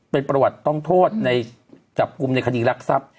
เป็นประวัติต้องโทษในกลุ่มในคณีย์รักซับ